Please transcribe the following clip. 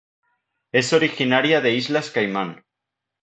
Es originaria de Islas Caimán.